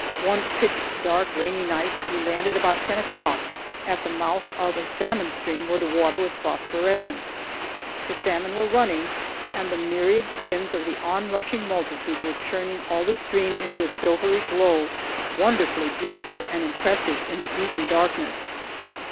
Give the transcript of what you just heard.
One pitch dark rainy night we landed about ten o'clock at the mouth of a salmon stream when the water was phosphorescent. The salmon were running, and the myriad fins of the onrushing multitude were churning all the stream into a silvery glow, wonderfully beautiful and impressive in the ebon darkness.